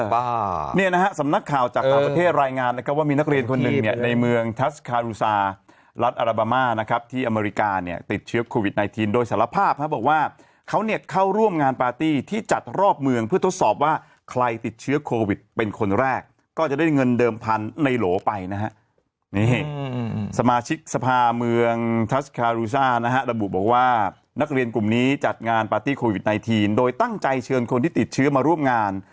บ้านี่นะฮะสำนักข่าวจากประเทศรายงานนะครับว่ามีนักเรียนคนหนึ่งเนี่ยในเมืองทัสคารูซาลัดอัลบาม่านะครับที่อเมริกาเนี่ยติดเชื้อโควิดไนทีนโดยสารภาพนะบอกว่าเขาเนี่ยเข้าร่วมงานปาร์ตี้ที่จัดรอบเมืองเพื่อทดสอบว่าใครติดเชื้อโควิดเป็นคนแรกก็จะได้เงินเดิมพันธุ์ในโหลไปนะฮะ